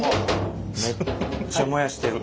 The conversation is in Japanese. めっちゃ燃やしてる。